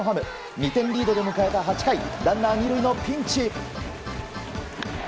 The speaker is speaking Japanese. ２点リードで迎えた８回ランナー２塁のピンチ。